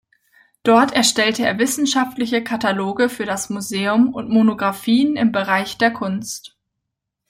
Dort erstellte er wissenschaftliche Kataloge für das Museum und Monographien im Bereich der Kunst.